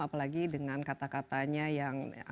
apalagi dengan kata katanya yang